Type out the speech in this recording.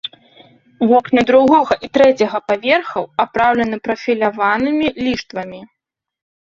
Вокны другога і трэцяга паверхаў апраўлены прафіляванымі ліштвамі.